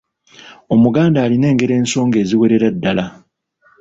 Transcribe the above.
Omuganda alina engero ensonge eziwerera ddala.